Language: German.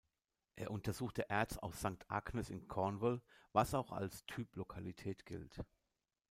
Er untersuchte Erz aus St Agnes in Cornwall, was auch als Typlokalität gilt.